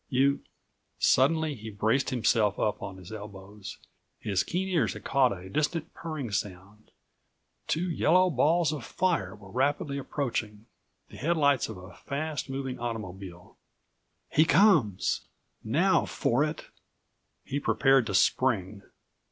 You—" Suddenly he braced himself up on his elbows. His keen ears had caught a distant purring sound. Two yellow balls of fire were rapidly approaching—the headlights of a fast moving automobile. "He comes! Now for it!" He prepared to spring.